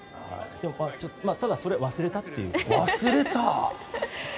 ただ、それを忘れたっていう。